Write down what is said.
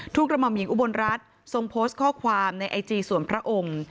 กระหม่อมหญิงอุบลรัฐทรงโพสต์ข้อความในไอจีส่วนพระองค์